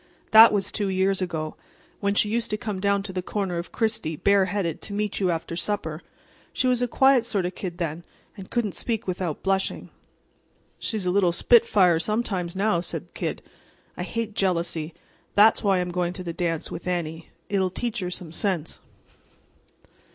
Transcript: "That was two years ago, when she used to come down to the corner of Chrystie bare headed to meet you after supper. She was a quiet sort of a kid then, and couldn't speak without blushing." "She's a little spitfire, sometimes, now," said the Kid. "I hate jealousy. That's why I'm going to the dance with Annie. It'll teach her some sense."